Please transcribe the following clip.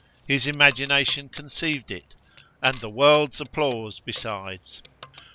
His imagination conceived it, and the world's applause besides.